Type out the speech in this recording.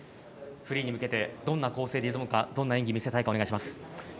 フリーに向けてどんな構成で挑むかどんな演技を見せたいかお願いします。